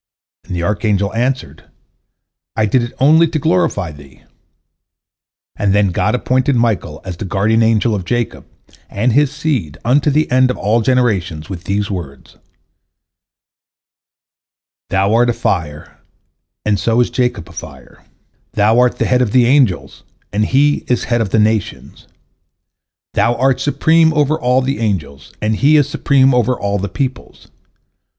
and the archangel answered, "I did it only to glorify Thee," and then God appointed Michael as the guardian angel of Jacob and his seed unto the end of all generations, with these words: "Thou art a fire, and so is Jacob a fire; thou art the head of the angels, and he is the head of the nations; thou art supreme over all the angels, and he is supreme over all the peoples.